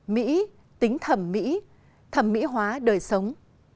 mỹ tính thẩm mỹ thẩm mỹ hóa đời sống